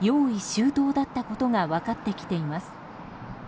周到だったことが分かってきています。